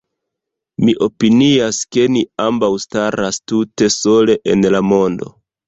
Mi opinias, ke ni ambaŭ staras tute sole en la mondo.